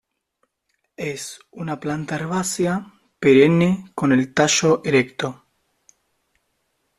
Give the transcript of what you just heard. Es una planta herbácea perenne con el tallo erecto.